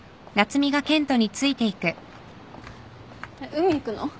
海行くの？